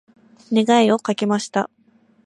願いをかけました。